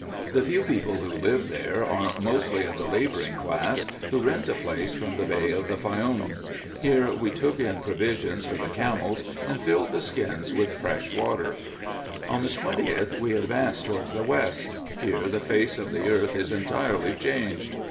The few people who live there are mostly of the labouring class, who rent the place from the Bey of the Faioum. Here we took in provision for the camels, and filled the skins with fresh water. On the 20th, we advanced towards the west : here the face of the earth is entirely changed.